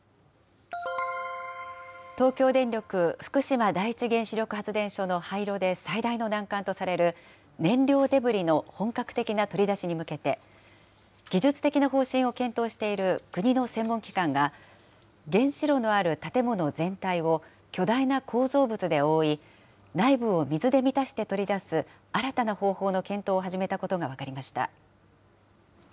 東京電力福島第一原子力発電所の廃炉で最大の難関とされる燃料デブリの本格的な取り出しに向けて、技術的な方針を検討している国の専門機関が、原子炉のある建物全体を巨大な構造物で覆い、内部を水で満たして取り出す新たな方法の検討を始めたことが分かりました。